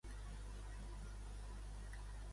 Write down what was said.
Què vol la dona de Déu?